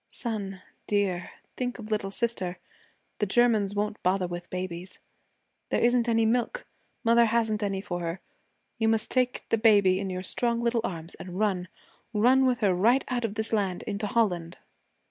'Son, dear, think of little sister. The Germans won't bother with babies. There isn't any milk. Mother hasn't any for her. You must take baby in your strong little arms and run run with her right out of this land into Holland.'